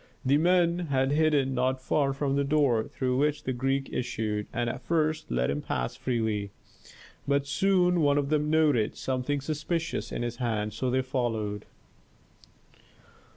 The men had hidden not far from the door through which the Greek issued, and at first let him pass freely. But soon one of them noted something suspicious in his hand, so they followed.